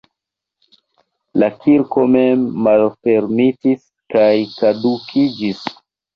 La kirko mem malfermitis kaj kadukiĝis.